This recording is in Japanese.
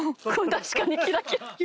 確かにキラキラ。